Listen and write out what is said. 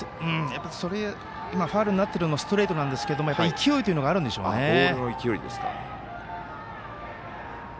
ファウルになっているのがストレートなんですけど勢いというものがあるんでしょうね。